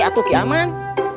aduh ki aman